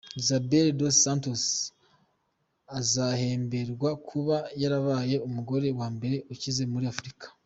Isabel Dos Santos, azahemberwa kuba yarabaye umugore wa mbere ukize muri Africa.